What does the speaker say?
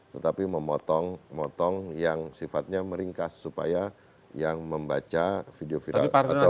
tetapi memotong yang sifatnya meringkas supaya yang membaca video viral atau menonton video viral itu